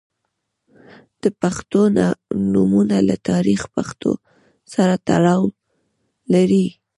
• د پښتو نومونه له تاریخي پیښو سره تړاو لري.